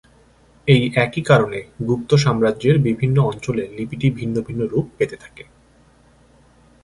এই একই কারণে গুপ্ত সাম্রাজ্যের বিভিন্ন অঞ্চলে লিপিটি ভিন্ন ভিন্ন রূপ পেতে থাকে।